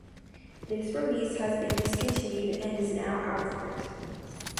This release has been discontinued and is now out of print.